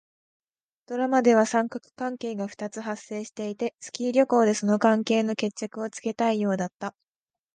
ドラマでは三角関係が二つ発生していて、スキー旅行でその関係の決着をつけたいようだった。